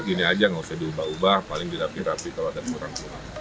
gini saja tidak perlu diubah ubah paling dilapih lapih kalau ada yang kurang